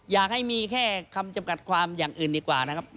อยากให้มีแค่คำจำกัดความอย่างอื่นดีกว่านะครับ